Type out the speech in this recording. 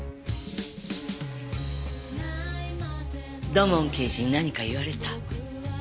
土門刑事に何か言われた？